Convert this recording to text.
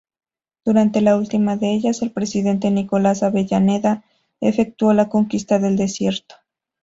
Durante la última de ellas, el presidente Nicolás Avellaneda efectuó la Conquista del Desierto.